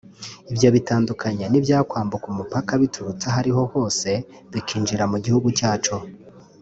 Ibyo bitandukanye n’ibyakwambuka umupaka biturutse aho ariho hose bikinjira mu gihugu cyacu